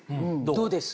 どうです？